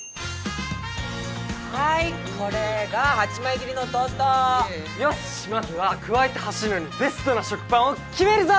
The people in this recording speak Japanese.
はいこれが８枚切りのトーストよしまずは咥えて走るのにベストな食パンを決めるぞ！